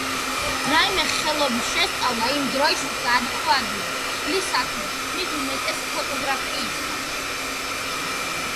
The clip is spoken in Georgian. რაიმე ხელობის შესწავლა იმ დროს არ იყო ადვილი საქმე, მით უმეტეს ფოტოგრაფიისა.